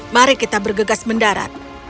mari kita bergegas mendarat